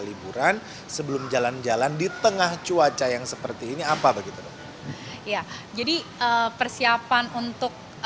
liburan sebelum jalan jalan di tengah cuaca yang seperti ini apa begitu ya jadi persiapan untuk